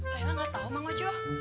lela nggak tahu mang ojo